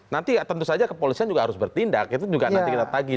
nanti tentu saja kepolisian juga harus bertindak itu juga nanti kita tagih